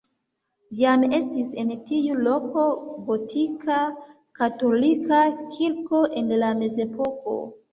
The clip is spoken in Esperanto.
Jam estis en tiu loko gotika katolika kirko en la mezepoko.